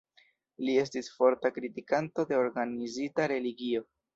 Li estis forta kritikanto de organizita religio.